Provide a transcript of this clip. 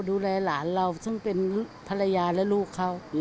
ดูแลหลานเราซึ่งเป็นภรรยาและลูกเขา